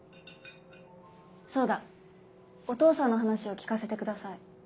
そうだお父さんの話を聞かせてください。